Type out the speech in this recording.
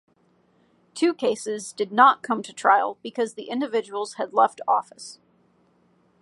Two cases did not come to trial because the individuals had left office.